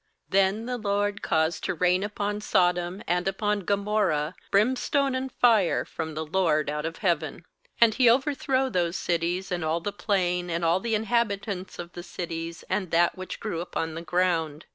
^Then the LORD caused to rain upon Sodom and upon Gomorrah brimstone and fire from the LORD out of heaven; He over fc That is, Ltttlet see verse 20. 21 threw those cities, and all the Plain, and all the inhabitants of the cities, and that which grew upon the ground.